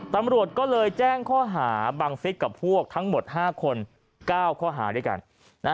ตำรวจก็เลยแจ้งข้อหาบังฟิศกับพวกทั้งหมด๕คน๙ข้อหาด้วยกัน